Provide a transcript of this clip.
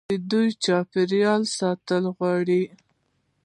دوی د چاپیریال ساتنه غواړي.